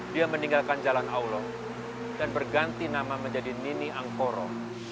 dia meninggalkan jalan allah dan berganti nama menjadi nini angkoro